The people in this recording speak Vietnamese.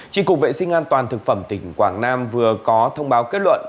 trị cục vệ sinh an toàn thực phẩm tỉnh quảng nam vừa có thông báo kết luận